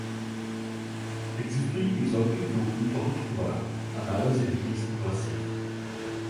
Existují i vzorky chlupů tohoto tvora a nálezy hnízd v lesích.